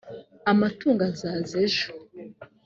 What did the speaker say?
amatungo azaza ejo